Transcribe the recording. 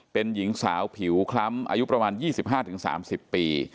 เป็นหญิงสาวผิวคล้ำอายุประมาณ๒๕๓๐ปี